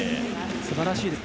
すばらしいです。